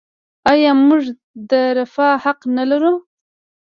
آیا موږ د رفاه حق نلرو؟